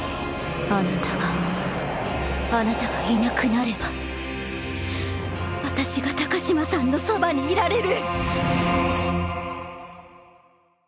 あなたがあなたがいなくなれば私が高嶋さんのそばにいられる！